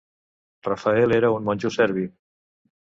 Rafael era un monjo serbi.